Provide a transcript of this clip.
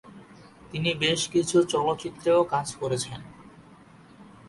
তিনি বেশ কিছু চলচ্চিত্রেও কাজ করেছেন।